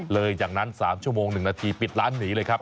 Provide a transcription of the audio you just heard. หลังจากนั้น๓ชั่วโมง๑นาทีปิดร้านหนีเลยครับ